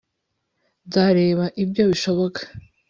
nzareba ibyo bishoboka